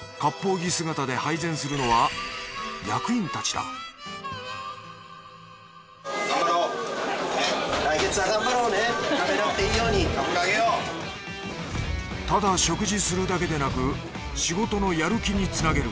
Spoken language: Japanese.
着姿で配膳するのは役員たちだただ食事するだけでなく仕事のやる気につなげる。